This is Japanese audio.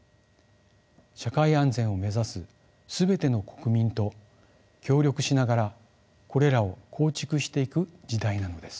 社会安全を目指す全ての国民と協力しながらこれらを構築していく時代なのです。